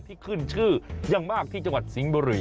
ที่ขึ้นชื่ออย่างมากที่จังหวัดสิงห์บุรี